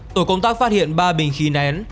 tổ công tác phát hiện ba bình khí nén